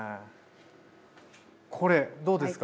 これどうですか？